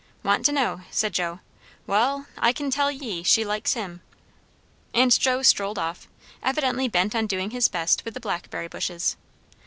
"Want to know," said Joe. "Wall, I kin tell ye, she likes him." And Joe strolled off, evidently bent on doing his best with the blackberry bushes.